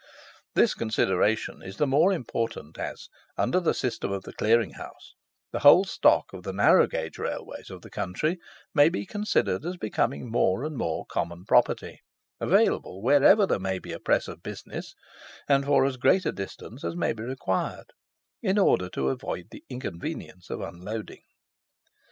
This consideration is the more important as, under the system of the clearing house, the whole stock of the narrow gauge Railways of the country may be considered as becoming more and more common property, available wherever there may be a press of business, and for as great distances as may be required, in order to avoid the inconvenience of unloading.